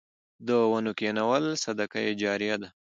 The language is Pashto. د ونو کینول صدقه جاریه ده